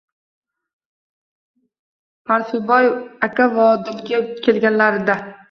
Parfiboy aka Vodilga kelganlarida: